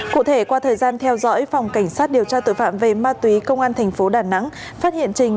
cụ thể qua thời gian theo dõi phòng cảnh sát điều tra tội phạm về ma túy công an tp đà nẵng phát hiện trình